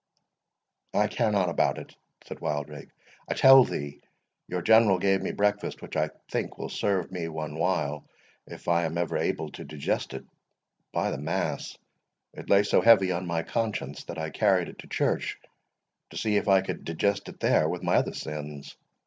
"I care not about it," said Wildrake: "I tell thee, your General gave me a breakfast, which, I think, will serve me one while, if I am ever able to digest it. By the mass, it lay so heavy on my conscience, that I carried it to church to see if I could digest it there with my other sins.